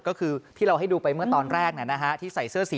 ก็คือที่เราให้ดูไปเมื่อตอนแรกที่ใส่เสื้อสี